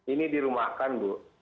ini di rumahkan bu